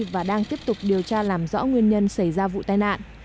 và đang tiếp tục điều tra làm rõ nguyên nhân xảy ra vụ tai nạn